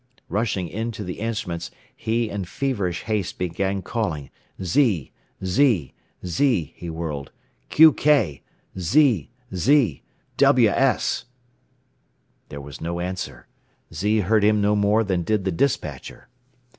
Rushing in to the instruments, he in feverish haste began calling "Z. Z, Z," he whirled. "Qk! Z, Z, WS!" There was no answer. Z heard him no more than did the despatcher.